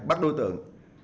bắt đối tượng